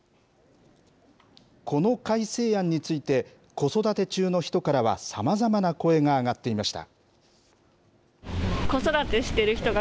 この改正案について、子育て中の人からはさまざまな声が上がっていました。